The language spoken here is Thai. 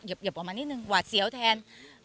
ออกมานิดนึงหวาดเสียวแทน